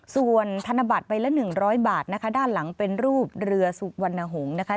ส่วนธนบัตรใบละ๑๐๐บาทนะคะด้านหลังเป็นรูปเรือสุวรรณหงษ์นะคะ